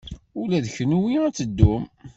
Ula d kenwi ad teddum?